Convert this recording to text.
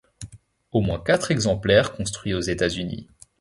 Au moins quatre exemplaires construits aux États-Unis.